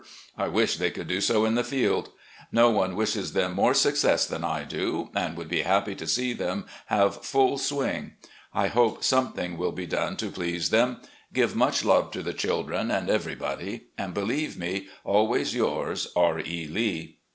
I wish they could do so in the field. No one wishes them more success than I do and would be happy to see them have full swing. I hope something will be done to please them. Give much love to the children and everybody, and believe me "Always yours, "R. E. Lee."